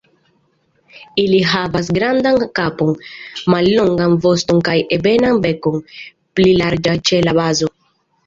Ili havas grandan kapon, mallongan voston kaj ebenan bekon, pli larĝa ĉe la bazo.